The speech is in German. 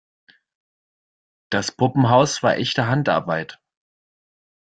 Das Puppenhaus war echte Handarbeit.